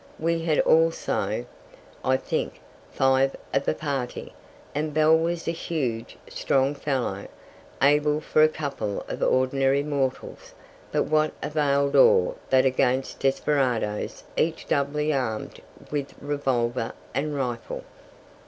We had also, I think, five of a party, and Bell was a huge, strong fellow, able for a couple of ordinary mortals; but what availed all that against desperadoes each doubly armed with revolver and rifle.